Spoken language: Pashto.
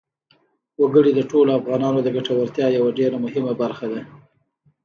وګړي د ټولو افغانانو د ګټورتیا یوه ډېره مهمه برخه ده.